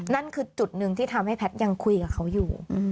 นั่นคือจุดหนึ่งที่ทำให้แพทย์ยังคุยกับเขาอยู่